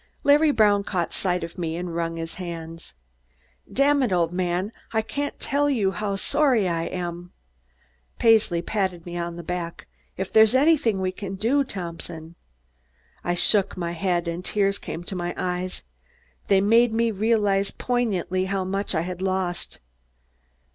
Larry Brown caught sight of me and wrung my hand. "Dammit, old man, I can't fell you how sorry I am." Paisley patted me on the back. "If there is anything we can do, Thompson " I shook my head and tears came to my eyes. They made me realize poignantly how much I had lost.